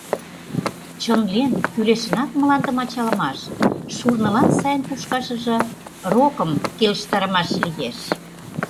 Чынлен, кӱлешынак мландым ачалымаш — шурнылан сайын кушкашыже рокым келыштарымаш лиеш.